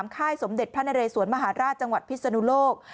ค่ายสมเด็จพระนเรสวนมหาราชจังหวัดพิศนุโลก